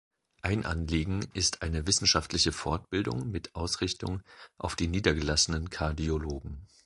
Ein Anliegen ist eine wissenschaftliche Fortbildung mit Ausrichtung auf die niedergelassenen Kardiologen.